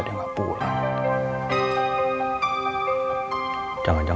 pada menogak teras backwards